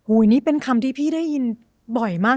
นี่เป็นคำที่พี่ได้ยินบ่อยมาก